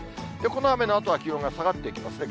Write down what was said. この雨のあとは気温が下がっていきますね。